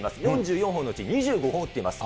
４４本のうち、２５本を打っています。